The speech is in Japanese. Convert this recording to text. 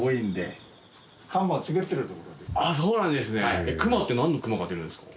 そうなんですね。